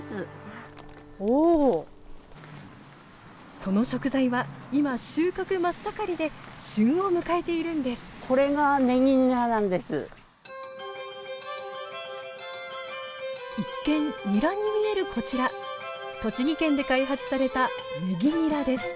その食材は今収穫真っ盛りで旬を迎えているんです一見にらに見えるこちら栃木県で開発されたねぎにらです。